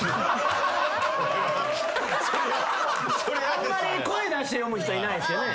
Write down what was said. あんまり声出して読む人いないですよね。